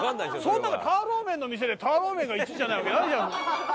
そんなのターローメンの店でターローメンが１位じゃないわけないじゃん！